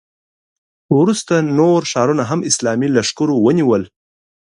وروسته نور ښارونه هم اسلامي لښکرو ونیول.